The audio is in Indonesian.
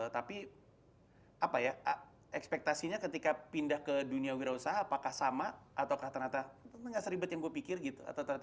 tapi apa ya ekspektasinya ketika pindah ke dunia wira usaha apakah sama atau rata rata nggak seribet yang gue pikir gitu